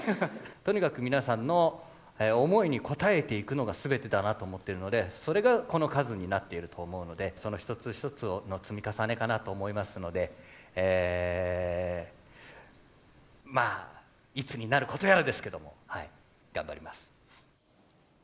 とにかく皆さんの思いに応えていくのがすべてだなと思っているので、それがこの数になっていると思うので、その一つ一つの積み重ねかなと思いますので、まあ、いつになることやらですけども、頑張ります。